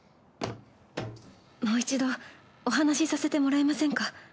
もう一度お話させてもらえませんか。